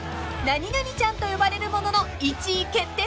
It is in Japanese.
［何々ちゃんと呼ばれるものの１位決定戦］